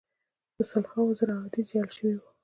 په سل هاوو زره احادیث جعل سوي وه.